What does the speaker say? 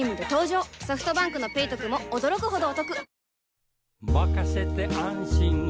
ソフトバンクの「ペイトク」も驚くほどおトク